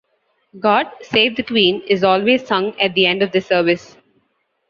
God Save the Queen is always sung at the end of the service.